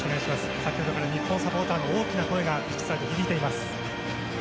先ほどから日本サポーターの大きな声がピッチ上に響いています。